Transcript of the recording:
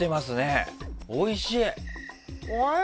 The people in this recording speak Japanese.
おいしい！